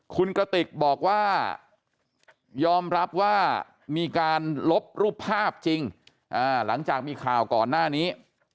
คุณกระติกบอกว่ายอมรับว่ามีการลบรูปภาพจริงหลังจากมีข่าวก่อนหน้านี้